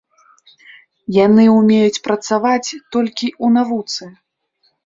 Яны умеюць працаваць толькі ў навуцы.